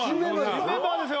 新メンバーです。